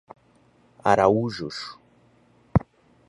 Araújos